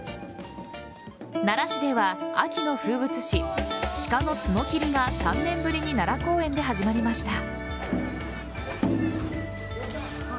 奈良市では秋の風物詩鹿の角きりが３年ぶりに奈良公園で始まりました。